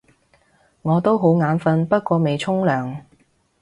我都好眼瞓，不過未沖涼